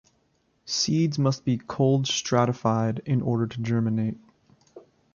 Seeds must be cold-stratified in order to germinate.